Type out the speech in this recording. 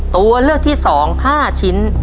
ตัวเลือกที่๒๕ชิ้น